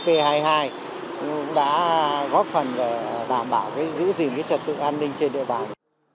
cũng đã góp phần đảm bảo giữ gìn trật tự an ninh trên địa bàn